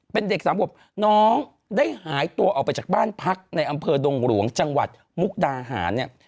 เป็นเด็กสามขวบน้องได้หายตัวออกไปจากบ้านพักในอำเภอดงหลวงจังหวัดมุกดาหารเนี่ย